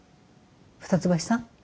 二ツ橋さん